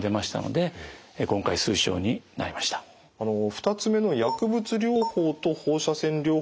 ２つ目の薬物療法と放射線療法の組み合わせ